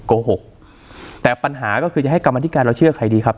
โกหกแต่ปัญหาก็คือจะให้กรรมธิการเราเชื่อใครดีครับ